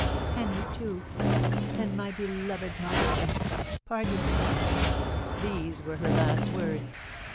Henry, too! and my beloved mother! pardon!" These were her last words.